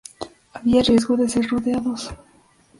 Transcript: Había riesgo de ser rodeados.